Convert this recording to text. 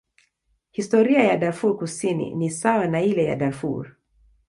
Historia ya Darfur Kusini ni sawa na ile ya Darfur.